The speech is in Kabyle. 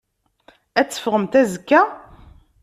Ad teffɣemt azekka?